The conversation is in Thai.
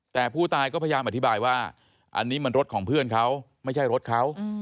แต่ผู้ตายก็พยายามอธิบายว่าอันนี้มันรถของเพื่อนเขาไม่ใช่รถเขา